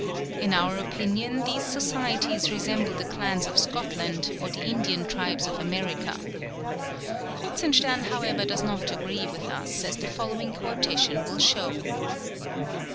In our opinion these societies resemble the clans of Scotland or the Indian tribes of America. Kruzenstern, however, does not agree with us, as the following quotation will show.